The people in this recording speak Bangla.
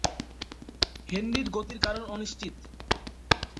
হেনরির গতির কারণ অনিশ্চিত।